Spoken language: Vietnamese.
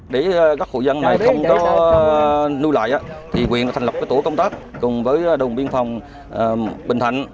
để các hộ dân này không có nuôi lại thì quyền thành lập tổ công tác cùng với đồn biên phòng bình thạnh